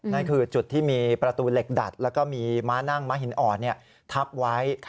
นั่นคือจุดที่มีประตูเหล็กดัดแล้วก็มีม้านั่งม้าหินอ่อนทับไว้